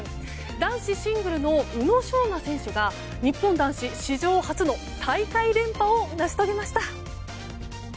男子シングルの宇野昌磨選手が日本男子史上初の大会連覇を成し遂げました。